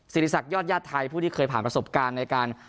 ศิริษักยอดญาติไทยผู้ที่เคยผ่านประสบการณ์ในการ